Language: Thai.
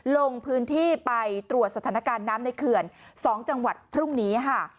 ลงพื้นที่ไปตรวจสถานการณ์น้ำในเขื่อน๒จังหวัดพรุ่งนี้ค่ะ